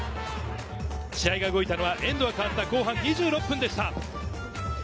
試合が動いたのはエンドが変わった後半２６分でした。